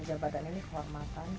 jabatan ini kehormatan